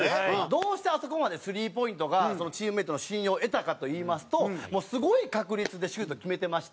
どうしてあそこまでスリーポイントがチームメイトの信用を得たかといいますともうすごい確率でシュート決めてまして。